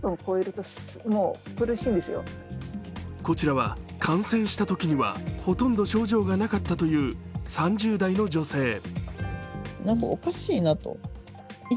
こちらは感染したときにはほとんど症状がなかったという３０代の女性。